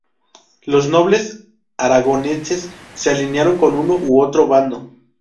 Los nobles aragoneses se alinearon con uno u otro bando.